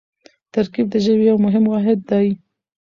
ترکیب د ژبې یو مهم واحد دئ.